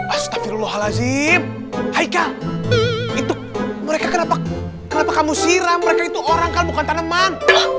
astagfirullahaladzim hai itu mereka kenapa kenapa kamu siram mereka itu orangkan bukan tanaman